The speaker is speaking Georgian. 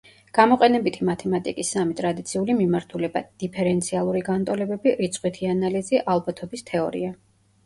გამოყენებითი მათემატიკის სამი ტრადიციული მიმართულებაა: დიფერენციალური განტოლებები, რიცხვითი ანალიზი, ალბათობის თეორია.